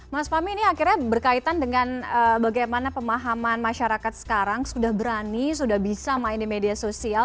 mas fahmi ini akhirnya berkaitan dengan bagaimana pemahaman masyarakat sekarang sudah berani sudah bisa main di media sosial